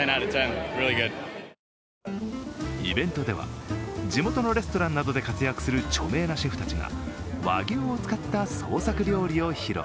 イベントでは地元のレストランなどで活躍する著名なシェフたちが和牛を使った創作料理を披露。